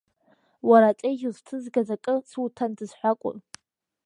Уара аҵеиџь узҭызгаз, акы суҭандаз ҳәа акәым.